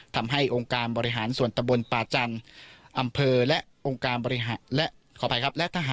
ทำให้องค์การบริหารส่วนตะบนป่าจันทร์อำเภอและองค์การบริหารและขออภัยครับและทหาร